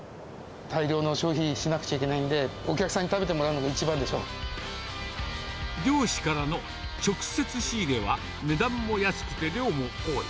大量の消費しなくちゃいけないんで、お客さんに食べてもらうのが漁師からの直接仕入れは、値段も安くて量も多い。